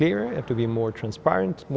phải rõ ràng trung tâm